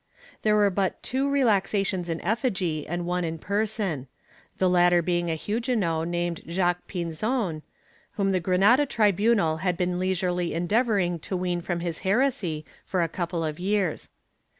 There were but two relaxations in effigy and one in person — the latter being a Hugue not named Jacques Pinzon, whom the Granada tribunal had been leisurely endeavoring to wean from his heresy for a couple of years.